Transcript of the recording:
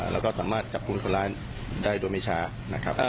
แล้วก็สามารถจับกลุ่มคนร้ายได้โดยไม่ช้านะครับ